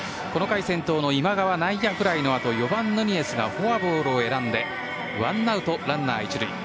この回、先頭の今川内野フライのあと４番、ヌニエスがフォアボールを選んでワンアウトランナー１塁。